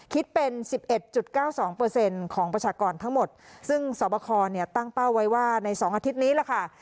คิดเป็น๑๑๙๒ของประชากรทั้งหมดซึ่งสอบคอเนี่ยตั้งเป้าไว้ว่าใน๒อาทิตย์นี้ล่ะค่ะ